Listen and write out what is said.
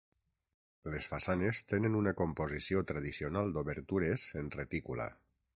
Les façanes tenen una composició tradicional d'obertures en retícula.